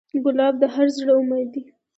ګلاب د هر زړه امید ده.